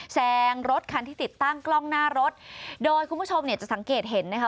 แซงรถคันที่ติดตั้งกล้องหน้ารถโดยคุณผู้ชมเนี่ยจะสังเกตเห็นนะคะ